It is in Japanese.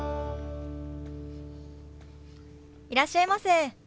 いらっしゃいませ。